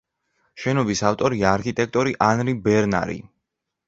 შენობის ავტორია არქიტექტორი ანრი ბერნარი.